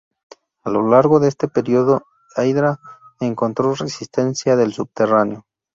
A lo largo de este período, Hydra encontró resistencia del Subterráneo.